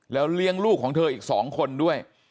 แล้วเลี้ยงลูกของเธออีก๒คนด้วย